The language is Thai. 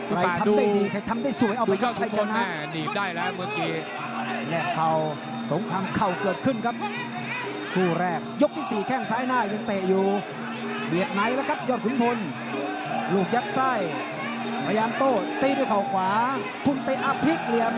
ใครทำได้ดีใครทำได้สวยเอาไปกับชายชะมัด